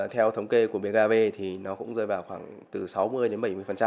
theo thống kê của bkv thì nó cũng rơi vào khoảng từ sáu mươi đến bảy mươi